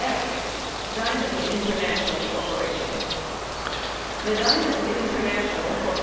F. Diamond International Corp. The Diamond International Corp.